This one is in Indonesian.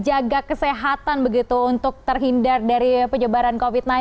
jaga kesehatan begitu untuk terhindar dari penyebaran covid sembilan belas